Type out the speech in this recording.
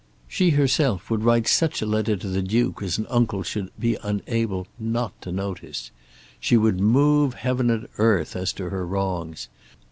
She herself would write such a letter to the Duke as an uncle should be unable not to notice. She would move heaven and earth as to her wrongs.